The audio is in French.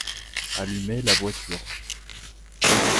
Allumer la voiture.